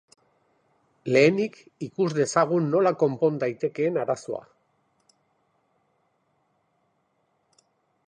Lehenik ikus dezagun nola konpon daitekeen arazoa.